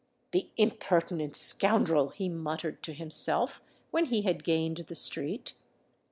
"The impertinent scoundrel!" he muttered to himself, when he had gained the street.